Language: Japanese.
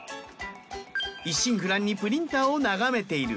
一心不乱にプリンターを眺めている。